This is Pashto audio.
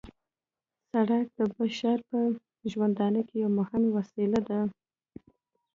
سرک د بشر په ژوندانه کې یوه مهمه وسیله ده